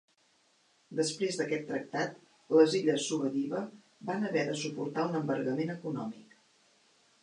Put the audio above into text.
Després d'aquest tractat, les illes Suvadive van haver de suportar un embargament econòmic.